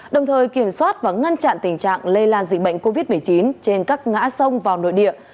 đồng thời kiểm soát và ngăn chặn tình trạng lây lan dịch bệnh covid một mươi chín trên các ngã sông vào nội địa